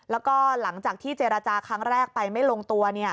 แล้วก็หลังจากที่เจรจาครั้งแรกไปไม่ลงตัว